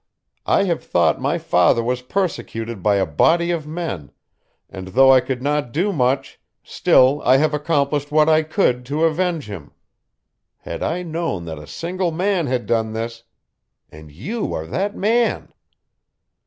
I have thought my father was persecuted by a body of men, and though I could not do much, still I have accomplished what I could to avenge him. Had I known that a single man had done this and you are that man!"